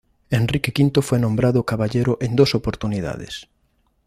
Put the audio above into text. Enrique V fue nombrado caballero en dos oportunidades.